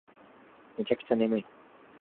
めちゃくちゃ眠い